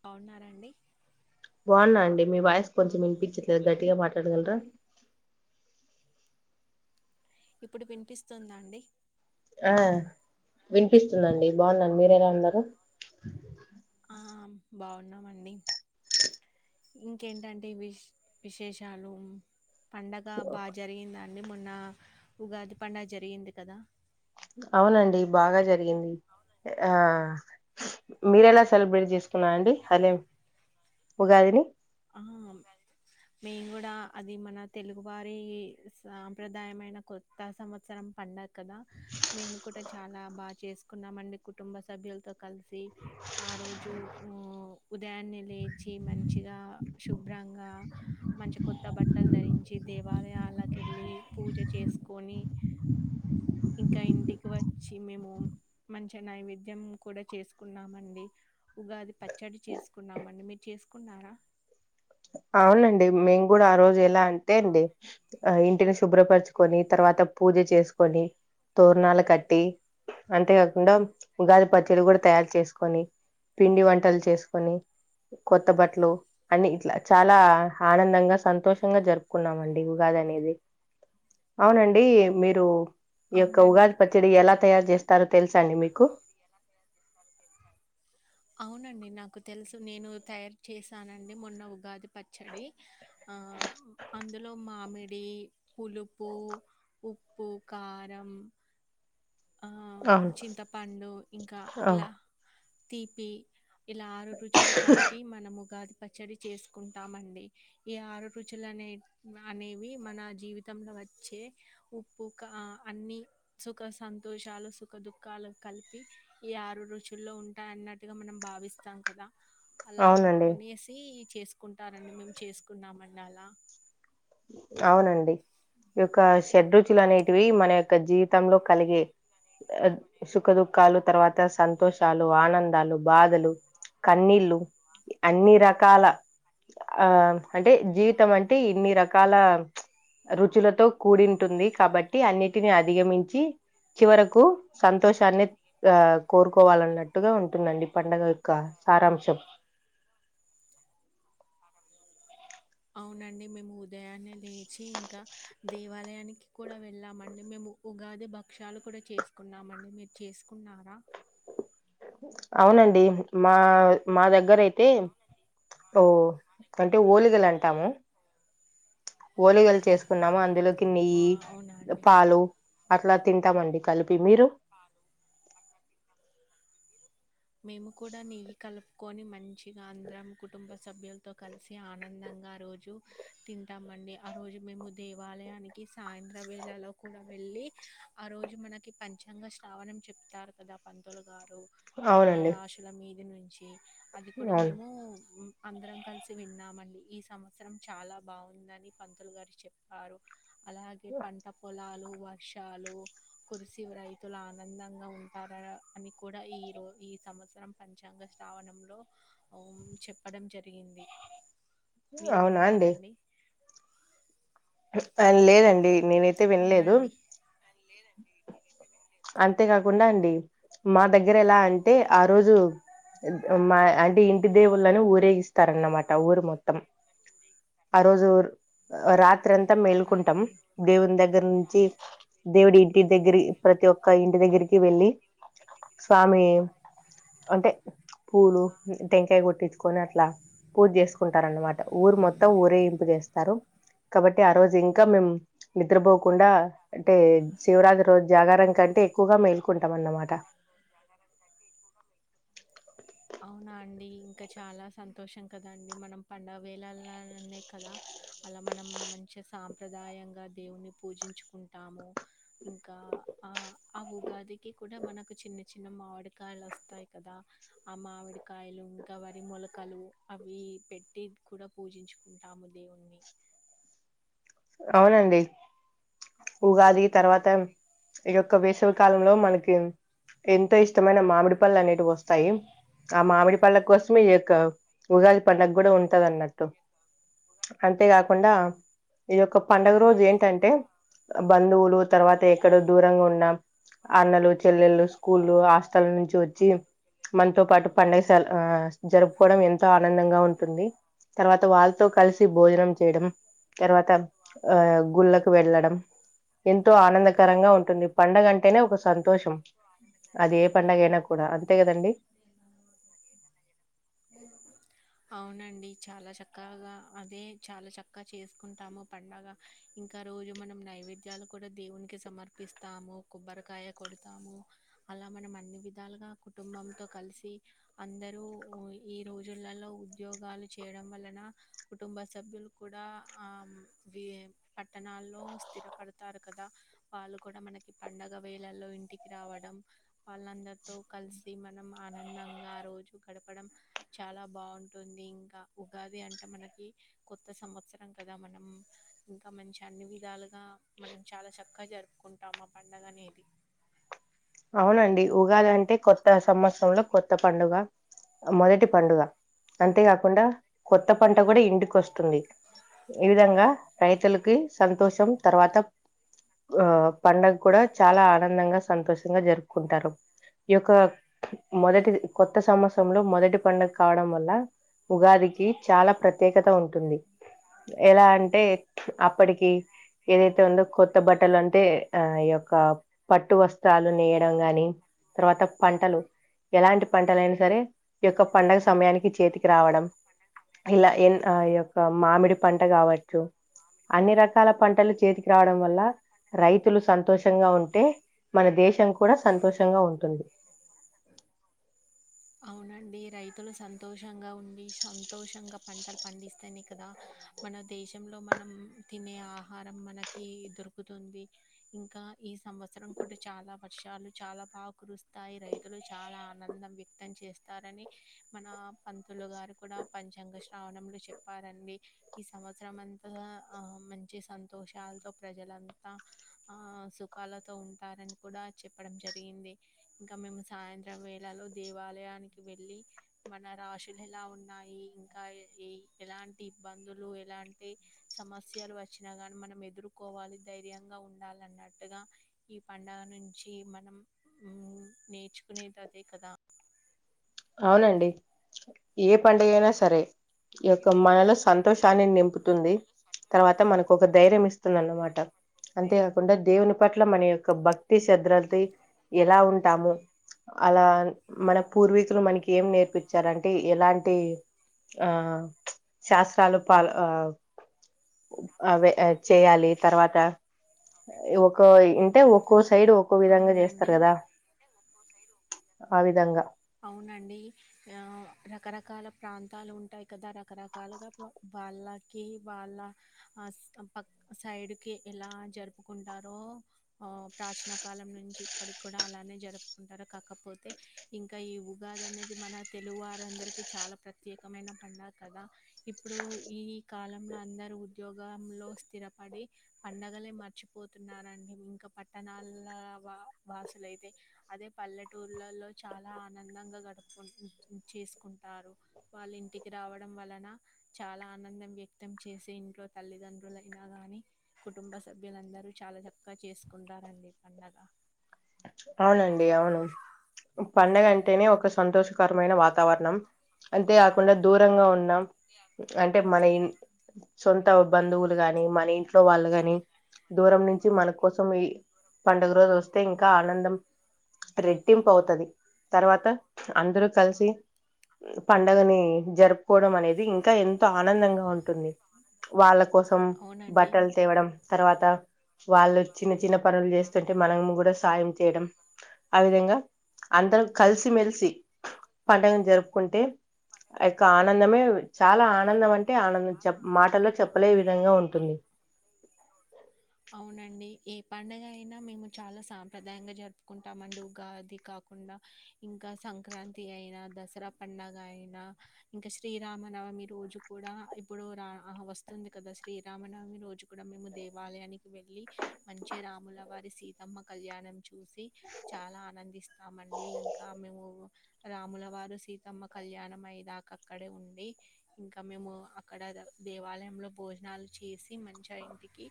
బావున్నారాండి బావ్న్నా అండి మీ వాయిస్ కొంచెం వినిపించట్లేదు గట్టిగా మాట్లాడగలరా ఇప్పుడు పినిపిస్తుంద అండి ఆ వినిపిస్తుందండి బాగున్నాను మీర్ ఎలా ఉన్నారు ఆ బాగున్నామండి ఇంకేంటంటే విష్ విశేషాలు పండగ బాగ జరిగింద అండి మొన్న ఉగాది పండుగ జరిగింది కదా అవునండి బాగా జరిగింది ఆ మీరెలా సెలబ్రేట్ చేసుకున్నా అండి హలీం ఉగాదిని ఆ మేం కూడా అది మన తెలుగువారి సాంప్రదాయమైన కొత్త సంవత్సరం పండ కదా మేము కూడా చానా బాగా చేసుకున్నాం అండి కుటుంబ సభ్యులతో కలిసి ఆ రోజు ఊ ఉదయాన్నే లేచి మంచిగా శుభ్రంగా మంచి కొత్త బట్టలు ధరించి దేవాలయాలకెళ్ళి పూజ చేసుకొని ఇంకా ఇంటికి వచ్చి మేము మంచి నైవేద్యం కూడా చేసుకున్నామండి ఉగాది పచ్చడి చేసుకున్నామండి మీరు చేసుకున్నారా అవునండి మేము కూడా ఆ రోజు ఎలా అంటే అండి ఆ ఇంటిని శుభ్రపరచుకొని తర్వాత పూజ చేసుకొని తోరణాలు కట్టి అంతేకాకుండా ఉగాది పచ్చడి కూడా తయారు చేసుకొని పిండి వంటలు చేసుకొని కొత్త బట్టలు అన్ని ఇట్లా చాలా ఆనందంగా సంతోషంగా జరుపుకున్నామండి ఉగాది అనేది అవునండి మీరు ఈ యొక్క అవునండి ఉగాది పచ్చిడి ఎలా తయారు చేస్ తరో తెలుస అండి మీకు అవునండి నాకు తెలుసు నేను తయారు చేశానండి మొన్న ఉగాది పచ్చడి ఆ అందులో మామిడి పులుపు ఉప్పు కారం ఆ అవును. చింతపండు ఇంకా అవును. ఇలా తీపి ఇలా ఆరు రుచులు కలిపి మనముగాది పచ్చడి చేసుకుంటామండి ఈ ఆరు రుచులనే అనేవి మన జీవితంలో వచ్చే ఉప్పు క అన్ని సుఖ సం తోషాలు సుఖ దుఃఖాలు కలిపి ఈ ఆరు రుచుల్లో ఉంటాయి అన్నట్టుగా మనం భావిస్తాం కదా అలాం అవునండి. అనేసి చేసుకుంటారండి మేము చేసుకున్నామండి అలా అవునండి ఈ యొక్క షడ్రుచులు అనేటివి మన యొక్క జీవితంలో అ కలిగే సుఖ దుఃఖాలు తర్వాత సంతోషాలు ఆనందాలు బాధలు కన్నీళ్ళు అన్ని రకాల ఆ అంటే జీవితం అంటే ఇన్ని రక కాల రుచులతో కూడింటుంది కాబట్టి అన్నిటిని అధిగమించి చివరకు సంతోషాన్ని ఆ కోరుకోవాలన్నట్టుగా ఉంటుందండి పండగ యొక్క సారాంశం అవునండి మేము ఉదయాన్నే లేచి ఇంకా దేవాలయానికి కూడా వెళ్ళామండి మేము ఉగాది భక్ష్యాలు కూడా చేసుకున్నామండి మీరు చేసుకున్నారా అవునండి మా మా దగ్గర అయితే ఓ అంటే ఓలిగలు అంటాము ఓలిగాలు చేసుకున్నాము అందులోకి ఆ! నెయ్యి అవునా అండి? పాలు అట్లా తింటామండి కలిపి మీరు మేము కూడా నెయ్యి కల్ కొని మంచిగా అందరం కుటుంబ సభ్యులతో కలిసి ఆనందంగా ఆ రోజు తింటామండి ఆ రోజు మేము దేవాలయానికి సాయంత్ర వేళలో కూడా వెళ్ళి ఆ రోజు మనకి పంచాంగ శ్రావణం చెప్తారు కదా పంతులు గారు మన అవునండి రాషుల మీ [unintelligible] నుంచి అది కూడా అవును మేము అందరం కలిసి విన్నామండి ఈ సంవత్సరం చాలా బాగుందని పంతులు గారు చెప్పారు అలాగే పంట పొలాలు వర్షాలు కురిసి రైతులు ఆనందంగా ఉంటారా అని కూడా ఈ రో ఈ సంవత్సరం పంచాంగ శ్రావణంలో ఓం చెప్పడం జరిగింది మీరు అవునా విన్నారండి అ లేదండి నేనైతే వినలేదు అవునండి అంతేకాకుండా అండి మా దగ్గర ఎలా అంటే ఆ రోజు మా అంటే ఇంటి దేవుళ్ళని ఊరేగిస్తారన్నమాట. ఊరు మొత్తం ఆ రోజు రాత్ రాత్రంతా అవునా మేలుకుంటాం. అండి దేవుని దగ్గర నుంచి దేవుడి ఇంటి దగ్గరి ప్రతి ఒక్క ఇంటి దగ్గరికి వెళ్ళి, స్వామి అంటే పూలు టెంకాయ కొట్టించుకొని, అట్లా పూజ చేసుకుంటార అన్నమాట. ఊరు మొత్తం ఊరేగింపు చేస్తారు. కాబట్టి ఆ రోజు ఇంకా మేం నిద్రపోకుండా అంటే శివరాత్రి రోజు జాగరం కంటే ఎక్కువగా మేల్కుంటాం అన్నమాట. అవునా అండి ఇంకా చాలా సంతోషం కదండి మనం పండుగ వేలల్ నననే కదా అలా మనం మంచి సాంప్రదాయంగా దేవున్ని పూజించుకుంటాము. ఇంకా ఆ ఆ ఉగాదికి కూడా మనకు చిన్న చిన్న మామిడికాయలు వస్తాయి కదా. ఆ మామిడికాయలు ఇంకా వరి మొలకలు అవి పెట్టి కూడా పూజించుకుంటాము దేవున్ని. అవునండి ఉగాది ఇంకా తర్వాత ఇగ ఒక వేసవి కాలంలో మనకి ఎంతో ఇష్టమైన మామిడి పళ్ళు అనేటివి వస్తాయి. ఆ మామిడి పళ్ళ కోసం ఈ యొక్క ఉగాది పండగ గూడ ఉంటది. అన్నట్టు అంతేకాకుండా ఇదియొక్క పండుగ రోజు అవునండి ఏంటంటే బంద్ బంధువులు తర్వాత ఎక్కడో దూరంగా ఉన్న అన్నలు, చెల్లెల్లు, స్కూళ్లు హాస్టల్ నుంచి వచ్చి మనతో పాటు పండగ సేల్ ఆ జరుపుకోవడం ఎంతో ఆనందంగా ఉంటుంది. తర్వాత వాళ్ళతో కలిసి భోజనం చేయడం. తర్వాత్ ఆ గుళ్ళకు వెళ్ళడం ఎంతో ఆనందకరంగా ఉంటుంది. పండగ అంటేనే ఒక సంతోషం. అది ఏ పండగైనా న కూడా అంతే కదండి అవునండి చాలా చక్కగా అదే చాలా చక్కగా చేసుకుంటాము. పండగ ఇంకా రోజు మనం నైవేద్యాలు కూడా దేవునికి సమర్పిస్తాము. కొబ్బరికాయ కొడతాము. అలా మనం అన్ని విద్ లుగా కుటుంబంతో కలిసి అందరూ ఈ రోజులలో ఉద్యోగాలు చేయడం వలన, కుటుంబ సభ్యులు కూడా ఆ పట్టణాల్లో స్థిరపడతారు. కదా వాళ్ళు కూడా మనకి పండగ వేళల్లో ఇంటికి రావడం. వాళ్ళందరు తో కలిసి మనం ఆనందంగా ఆ రోజు గడపడం చాలా బాగుంటుంది. ఇంకా ఉగాది అంటే మనకి కొత్త సంవత్సరం కదా. మనం ఇంకా మంచి అన్ని విధాలుగా మనం చాలా చక్కగా జరుపుకుంటాం. ఆ పండగ అనేది. అవునండి. ఉగాది అంటే కొత్త సంవత్సరంలో కొత్త పండుగ. మొదటి పండుగ. అంతేకాకుండా కొత్త పంట కూడా ఇంటికి వస్తుంది. ఈ విధంగా రైతులకి సంతోషం తర్వాత, ఆ పండగ కూడా చాలా ఆనందంగా సంతోషం జరుపుకుంటారు. ఈయొక్క మొదటి కొత్త సంవత్సరంలో మొదటి పండుగ కావడం వల్ల, ఉగాదికి చాలా ప్రత్యేకత ఉంటుంది. ఎలా అంటే అప్పటికి ఏదైతే ఉందో, కొత్త బట్టలు అంటే ఆ ఈ యొక్క పట్టు వస్ వస్త్రాలు నేయడం గాని, తర్వాత పంటలు ఎలాంటి పంటలు అయినా సరే, ఈ యొక్క పండగ సమయానికి చేతికి రావడం, ఇలా ఎ ఈ యొక్క మామిడి పంట కావచ్చు. అన్ని రకాల పంటలు చేతికి రావడం వల్ల రైతులు సంతోషంగా ఉంటే మన దేశం కూడా సంతోషంగా ఉంటుంది. అవునండి. రైతులు సంతోషంగా ఉండి సంతోషంగా పంటలు పండిస్తేనే కదా, మన దేశంలో మనం తినే ఆహారం మనకి దొరుకుతుంది. ఇంకా ఈ సంవత్సరం కూడా చాలా వర్షాలు చాలా బాగ కురుస్తాయి. రైతులు చాలా ఆనందం వ్యక్తం చేస్తారని, మన పంతులు గారు కూడా పంచాంగ శ్రావణంలో చెప్పారండి. ఈ సంవత్సరం అంతా మంచి సంతోషాలతో, ప్రజలంతా సుఖాలతో, ఉంటారని కూడా చెప్పడం జరిగింది. మేము సాయంత్రం వేళలో దేవాలయానికి వెళ్ళి మన రాశులు ఎలా ఉన్నాయి. ఇంకా ఎలాంటి ఇబ్బందులు, ఎలాంటి సమస్యలు వచ్చినా కానీ, మనం ఎదుర్కోవాలి. ధైర్యంగా ఉండాల అన్నట్టుగా, ఈ పండుగ నుంచి మనం నేర్చు తునీతదే కదా అవునండి ఏ పండుగ అయినా సరే. ఈ యొక్క మనలో సంతోషాన్ని నింపుతుంది. తర్వాత మనకు ఒక ధైర్యం ఇస్తుందిన్నమాట. అంతేకాకుండా దేవుని పట్ల మన యొక్క భక్ శద్రతి ఎలా ఉంటాము అలా మన పూర్వీ మనకి ఏం నేర్పించారంటే ఎలాంటి ఆ శాస్త్రాలు ప అవే చేయాలి తర్వాత ఒక అంటే ఒక్కో సైడ్ ఒక్కో విధంగా చేస్తరు అవునండి కదా ఆ విధంగా అవునండి. ఆ రకరకాల ప్రాంతాలు ఉంటాయి. కదా రకరకాలుగా వాళ్ళకి వాళ్ళ పక్ సైడ్కి ఎలా జరుపుకుంటారో, ఆ ప్రాచీన కాలం నుంచి ఇప్పటికి కూడా అలానే జరుపుకుంటారు. కాకపోతే ఇంకా ఈ ఉగాది అనేది మన తెలుగువారందరికీ చాలా ప్రత్యేకమైన పండగ కదా. ఇప్పుడు ఈ కాలంలో అందరు ఉద్యోగంలో స్థిరపడి పండగలే మర్చిపోతున్నారండి. ఇంకా పట్టణాల వాల వాసులయితే అదే పల్లెటూళ్లలో చాలా ఆనందంగా గడుపుకు చేసుకుంటారు. వాళ్ళ ఇంటికి రావడం వలన చాలా ఆనందం వ్యక్తం చేసి, ఇంట్లో తల్లిదండ్రులైనా గాని, కుటుంబ సభ్యులందరూ చాలా చక్కగా చేసుకుంటారండి పండగ. అవునండి. అవును పండగ అంటేనే ఒక సంతోషకరమైన వాతావరణం. అంతే కాకుండా దూరంగ ఉన్నాం. అంటే మనఇం సొంత బంధువులు గాని మన ఇంట్లో వాళ్ళు కాని దూరం నుంచి మన కోసం ఈ పండుగ రోజు వస్తే ఇంకా ఆనందం ధాం రెట్టింపు అవుతది తర్వాత అందరూ కలిసి పండగని జరుపుకోవడం అనేది ఇంకా ఎంతో ఆనందంగా ఉంటుంది వాళ్ళ కోసం అవునండి బట్టలు తేవడం తర్వాత వాళ్ళు చిన్న చిన్న పనులు చేస్తుంటే మనం కూడా సాయం చేయడం ఆ విధంగా అందరం కలిసిమెలిసి పండగ జరుపుకుంటే యొక్క ఆనందమే చాలా ఆనందం అంటే ఆనందం చె మాటల్లో చెప్పలే విధంగా ఉంటుంది. అవునండి. ఏ పండుగ అయినా మేము చాలా సాంప్రదాయంగా జరుపుకుంటామండి ఉగాది కాకుండా ఇంకా సంక్రాంతి అయినా దసరా పండగ అయినా ఇంకా శ్రీరామనవమి రోజు కూడా ఇప్పుడు రా వస్తుంది కదా శ్రీరామనవమి రోజు కూడా మేము దేవాలయానికి వెళ్ళి మంచిగా రాముల వారి సీతమ్మ కళ్యాణం చూసి చాలా ఆనందిస్తము అమ అండి ఇంకా మేము రాముల వారు సీతమ్మ కళ్యాణం అయ్యేదాకా అక్కడే ఉండి ఇంకా మేము అక్కడ దేవాలయంలో భోజనాలు చేసి మంచిగా ఇంటికి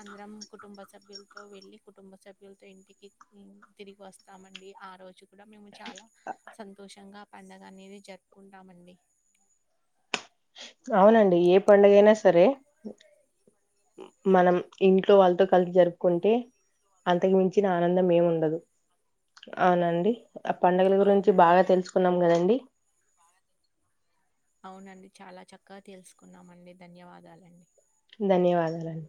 అందరం కుటుంబ సభ్యులతో వెళ్ళి కుటుంబ సభ్యులతో ఇంటికి తిరిగి వస్తామండి ఆ రోజు కూడా మేము చాలా సంతోషంగా పండుగ అనేది జరుపుకుంటామండి అవునండి ఏ పండుగ అయినా సరే మనం ఇంట్లో వాళ్ళతో కలిసి జరుపుకుంటే అంతకు మించిన ఆనందం ఏమి ఉండదు అవునండి. ఆ పండుగల గురించి బాగా అవునండి తెలుసుకున్నాం కదండి అవునండి చాలా చక్కగా తెలుసుకున్నామ అండి ధన్యవాదాలండి ధన్యవాదాలండి